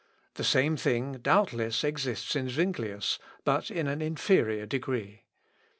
The same thing doubtless exists in Zuinglius, but in an inferior degree.